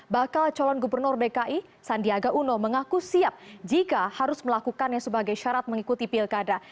bakal calon gubernur dki sandiaga uno mengaku siap jika harus melakukannya sebagai syarat mengikuti pilkada